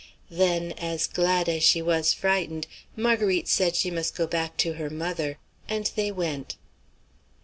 Then, as glad as she was frightened, Marguerite said she must go back to her mother, and they went.